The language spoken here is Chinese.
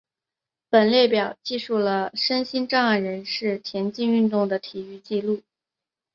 本列表记述了身心障碍人士田径运动的体育纪录。